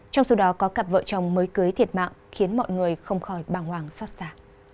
trong số đó có cặp vợ chồng mới cưới thiệt mạng khiến mọi người không khỏi bàng hoàng xót xa